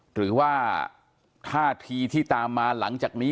หรือว่าท่าทีที่ตามมาหลังจากนี้